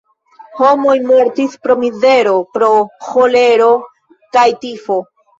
Homoj mortis pro mizero, pro ĥolero kaj tifo.